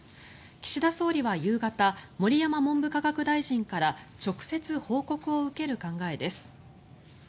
岸田総理は夕方盛山文部科学大臣から直接報告を受ける考えです。